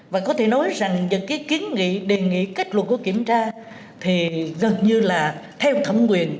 và có thể nói rằng những kiến nghị đề nghị kết luận của kiểm tra thì gần như là theo thẩm quyền